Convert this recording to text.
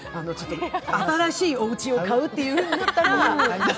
新しいお家を買うってなったら。